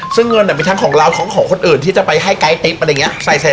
ซึ่งเงินมีทั้งของเราทั้งของคนอื่นที่จะไปให้ไกด์ติ๊บอะไรอย่างนี้